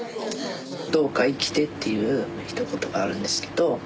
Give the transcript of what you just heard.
どうか生きてっていうまあひと言があるんですけど。